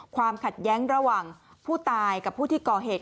ความขัดแย้งระหว่างผู้ตายกับผู้ที่ก่อเหตุ